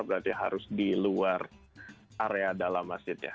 berarti harus di luar area dalam masjid ya